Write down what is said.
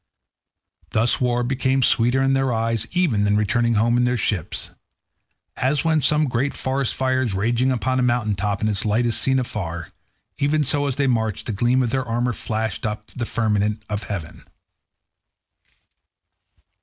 Thus war became sweeter in their eyes even than returning home in their ships. As when some great forest fire is raging upon a mountain top and its light is seen afar, even so as they marched the gleam of their armour flashed up into the firmament of heaven.